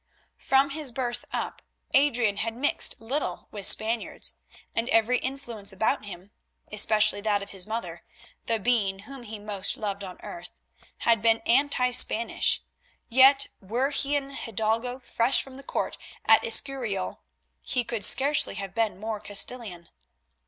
From his birth up Adrian had mixed little with Spaniards, and every influence about him, especially that of his mother, the being whom he most loved on earth, had been anti Spanish, yet were he an hidalgo fresh from the Court at the Escurial, he could scarcely have been more Castilian.